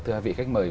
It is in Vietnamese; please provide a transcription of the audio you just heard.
thưa hai vị khách mời